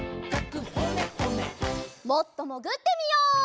もっともぐってみよう。